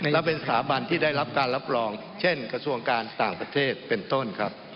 และเป็นสถาบันที่ได้รับการรับรองเช่นกระทรวงการต่างประเทศเป็นต้นครับ